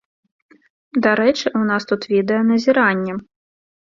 Дарэчы, у нас тут відэаназіранне!